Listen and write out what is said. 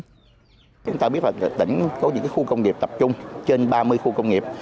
chúng ta biết là tỉnh có những khu công nghiệp tập trung trên ba mươi khu công nghiệp